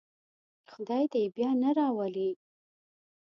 خدای دې یې بیا نه راولي.